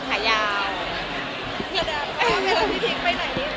พี่พริกไปไหนนี่